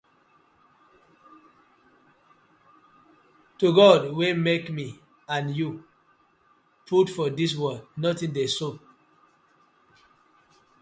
To God wey mak mi and you put for dis world, notin dey sup.